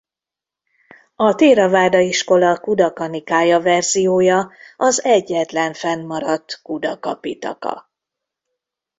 A théraváda iskola Khuddaka-nikája verziója az egyetlen fennmaradt Khuddaka-pitaka.